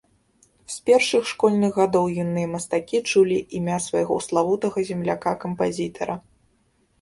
З першых школьных гадоў юныя мастакі чулі імя свайго славутага земляка-кампазітара.